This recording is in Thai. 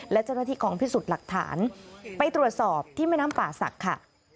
และเจ้าหน้าที่กองพิสูจน์หลักฐานไปตรวจสอบที่แม่น้ำป่าศักดิ์ค่ะ